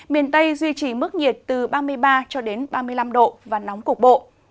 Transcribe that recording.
miền tây duy trì mức nhiệt từ ba mươi ba ba mươi năm độ và nóng cục bộ